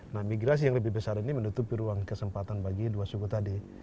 nah migrasi yang lebih besar ini menutupi ruang kesempatan bagi dua suku tadi